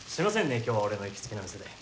今日は俺の行きつけの店で。